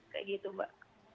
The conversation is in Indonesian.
kayak gitu mbak